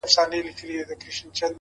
د شپې مي دومره وي ژړلي گراني-